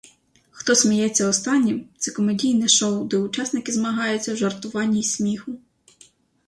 «Хто сміється останнім» – це комедійне шоу, де учасники змагаються в жартуванні і сміху.